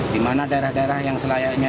dimana daerah daerah yang selayaknya